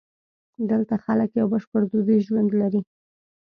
دلته خلک یو بشپړ دودیز ژوند لري.